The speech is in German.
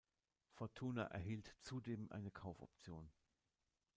Fortuna erhielt zudem eine Kaufoption.